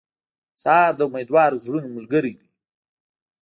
سهار د امیدوارو زړونو ملګری دی.